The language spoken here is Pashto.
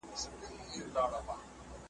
وخته ویده ښه یو چي پایو په تا نه سمیږو `